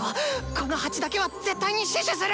この鉢だけは絶対に死守する！